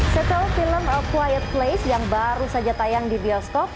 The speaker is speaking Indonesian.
setelah film choir place yang baru saja tayang di bioskop